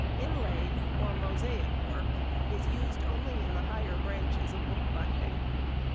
_—Inlaid, or mosaic work, is used only in the higher branches of bookbinding.